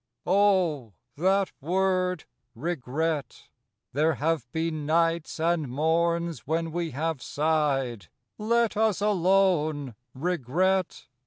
/^\ THAT word Regret /^ There have been nights and morns when we have sighed, " Let us alone, Regret!